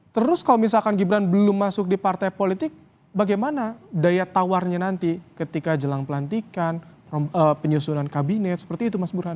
terus kalau misalkan gibran belum masuk di partai politik bagaimana daya tawarnya nanti ketika jelang pelantikan penyusunan kabinet seperti itu mas burhan